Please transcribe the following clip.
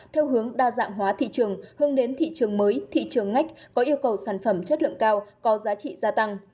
theo hướng đa dạng hóa thị trường hướng đến thị trường mới thị trường ngách có yêu cầu sản phẩm chất lượng cao có giá trị gia tăng